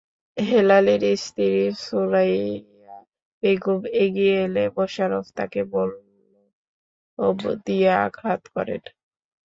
হেলালের স্ত্রী সুরাইয়া বেগম এগিয়ে এলে মোশারফ তাঁকে বল্লম দিয়ে আঘাত করেন।